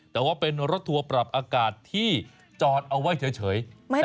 แต่ว่าเป็นรถทัวร์ปรับอากาศที่จอดเอาไว้เฉย